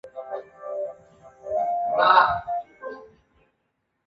所有主要的编程语言均有与代理接口通讯的客户端函式库。